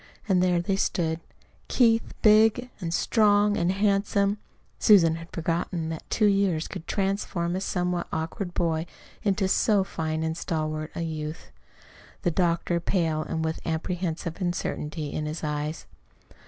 And there they stood: Keith, big and strong and handsome (Susan had forgotten that two years could transform a somewhat awkward boy into so fine and stalwart a youth); the doctor, pale, and with an apprehensive uncertainty in his eyes.